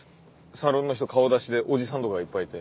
サロンの人顔出しでおじさんとかがいっぱいいて。